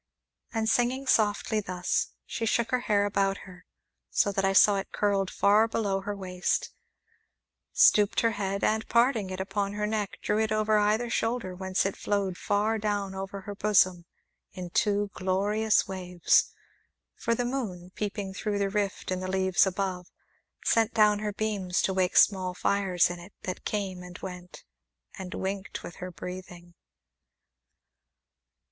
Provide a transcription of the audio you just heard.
And, singing softly thus, she shook her hair about her, so that I saw it curled far below her waist; stooped her head, and, parting it upon her neck, drew it over either shoulder, whence it flowed far down over her bosom in two glorious waves, for the moon, peeping through the rift in the leaves above, sent down her beams to wake small fires in it, that came and went, and winked with her breathing.